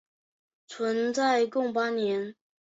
存在共八年。